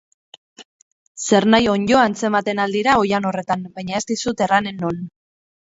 Zernahi onddo atzematen ahal dira oihan horretan, baina ez dizut erranen non.